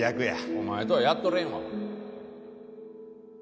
お前とはやっとれんわ。